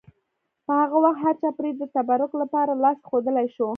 په هغه وخت هرچا پرې د تبرک لپاره لاس ایښودلی شو.